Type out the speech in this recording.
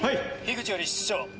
・口より室長。